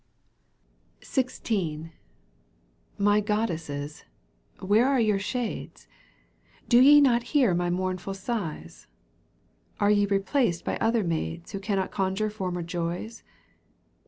^^ XVI. My goddesses, where are your shades ? Do ye not hear my mournful sighs ? Are ye replaced by other maids Who cannot conjure former joys